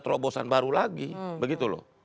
terobosan baru lagi begitu loh